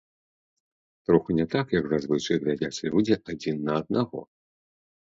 Троху не так, як зазвычай глядзяць людзі адзін на аднаго.